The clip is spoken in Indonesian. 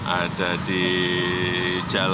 ada di jepang